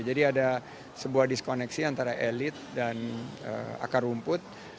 jadi ada sebuah diskoneksi antara elit dan akar rumput